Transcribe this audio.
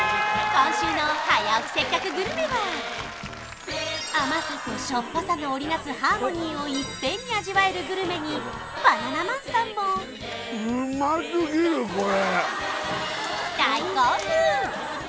今週の「早起きせっかくグルメ！！」は甘さと塩っぱさの織り成すハーモニーをいっぺんに味わえるグルメにバナナマンさんもこれ！